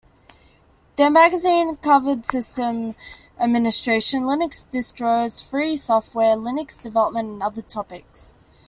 Their magazine covered system administration, Linux distros, free software, Linux development and other topics.